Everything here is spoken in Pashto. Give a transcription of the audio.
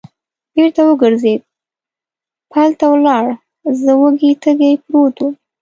بېرته و ګرځېد، پل ته ولاړ، زه وږی تږی پروت ووم.